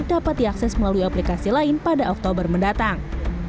dapat diakses melalui aplikasi lain pada oktober mendatang